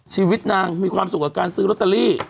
ชีวิตนางมีความสุขกับการซื้อลอตเตอรี่